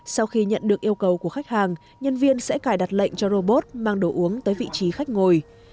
sau khi nhận được yêu cầu của khách hàng nhân viên sẽ cài đặt lệnh cho robot mang đồ uống tới vị trí khách ngồi